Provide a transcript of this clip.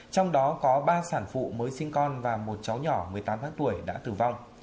trong đó có ba sản phụ mới sinh con và một cháu nhỏ một mươi tám tháng tuổi đã tử vong